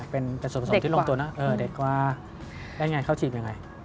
เป็นส่วนผสมที่ลงตัวนะเด็กกว่าแล้วไงเขาจีบยังไง